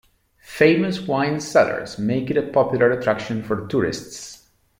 Famous wine cellars make it a popular attraction for tourists.